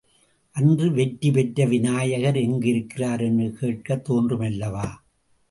அன்று வெற்றி பெற்ற விநாயகர் எங்கிருக்கிறார் என்று கேட்கத் தோன்றுமல்லவா.